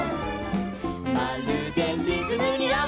「まるでリズムにあわせて」